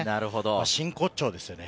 真骨頂ですよね。